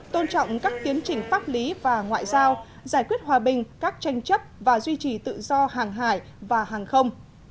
tôn trọng các tiến trình pháp lý và ngoại giao giải quyết hòa bình các tranh chấp và duy trì tự do hàng hải và hàng không